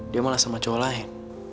dia malah sama cowok lain